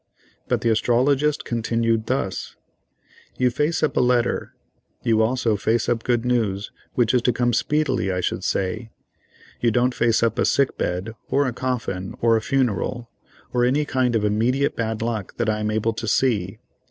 But the astrologist continued thus: "You face up a letter; you also face up good news which is to come speedily I should say; you don't face up a sick bed, or a coffin, or a funeral, or any kind of immediate bad luck that I am able to see.